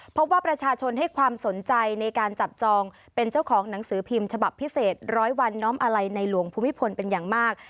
เพราะว่าประชาชนให้ความสนใจในการจับจองเป็นเจ้าของหนังสือพิมพ์ฉบับพิเศษร้อยวันน้อมอาลัยในหลวงภูมิพลเป็นอย่างมาก